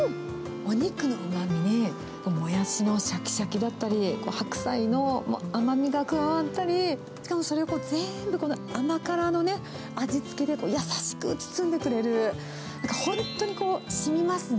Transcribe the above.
お肉のうまみ、モヤシのしゃきしゃきだったり、白菜の甘みが加わったり、しかもそれが全部甘辛の味付けで、優しく包んでくれる、本当にこう、しみますね。